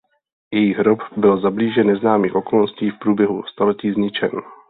Její hrob byl za blíže neznámých okolností v průběhu staletí zničen.